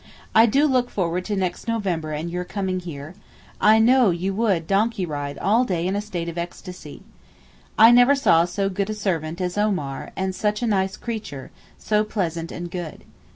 I do look forward to next November and your coming here; I know you would donkey ride all day in a state of ecstasy. I never saw so good a servant as Omar and such a nice creature, so pleasant and good.